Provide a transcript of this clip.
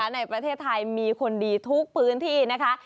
ในประเทศไทยมีคนดีทุกพื้นที่นะคะ